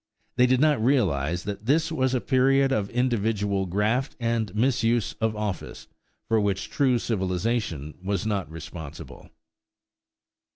They did not realize that this was a period of individual graft and misuse of office for which true civilization was not responsible.